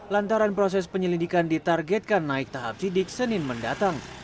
lantaran proses penyelidikan ditargetkan naik tahap sidik senin mendatang